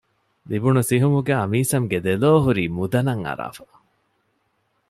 ލިބުނު ސިހުމުގައި މީސަމް ގެ ދެލޯ ހުރީ މުދަނަށް އަރާފަ